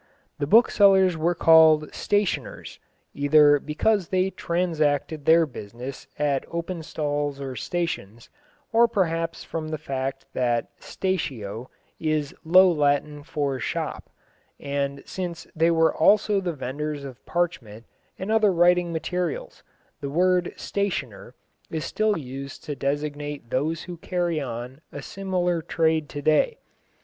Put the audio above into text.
The booksellers were called "stationers," either because they transacted their business at open stalls or stations, or perhaps from the fact that statio is low Latin for shop; and since they were also the vendors of parchment and other writing materials, the word "stationer" is still used to designate those who carry on a similar trade to day.